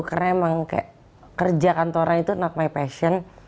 karena emang kayak kerja kantoran itu not my passion